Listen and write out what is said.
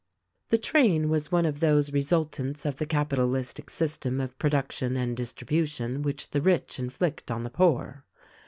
The train was one of those resultants of the capitalistic system of production and distribution which the rich inflict on the poor.